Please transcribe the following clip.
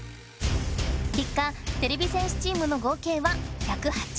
けっかてれび戦士チームの合計は１０８。